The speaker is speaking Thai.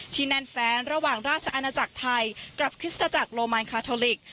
แน่นแฟนระหว่างราชอาณาจักรไทยกับคริสตจักรโลมานคาทอลิก